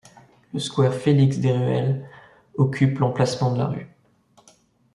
Le square Félix-Desruelles occupe l'emplacement de la rue.